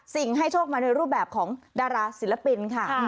ให้โชคมาในรูปแบบของดาราศิลปินค่ะ